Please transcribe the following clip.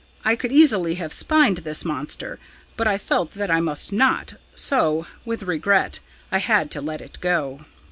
I could easily have spined this monster, but I felt that I must not so, with regret, I had to let it go.'